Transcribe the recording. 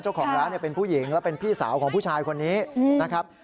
เจ้าของร้านเป็นผู้หญิงและเป็นพี่สาวของผู้ชายคนนี้นะครับ